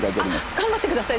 頑張って下さい。